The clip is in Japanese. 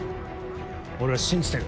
俺は信じてる。